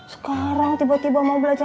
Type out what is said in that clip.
sekarang tiba tiba mau belajar